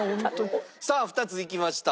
さあ２ついきました。